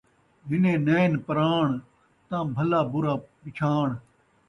ہنّیں نین پراݨ ، تاں بھلا برا پچھاݨ